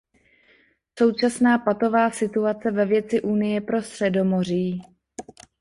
Současná patová situace ve věci Unie pro Středomoří.